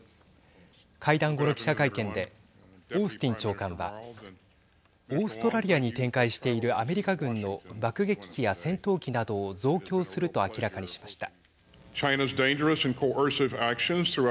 会談後の記者会見でオースティン長官はオーストラリアに展開しているアメリカ軍の爆撃機や戦闘機などを増強すると明らかにしました。